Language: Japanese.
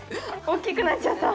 大きくなっちゃった。